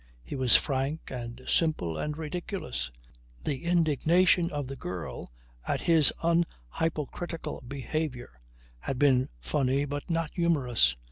He was frank and simple and ridiculous. The indignation of the girl at his unhypocritical behaviour had been funny but not humorous.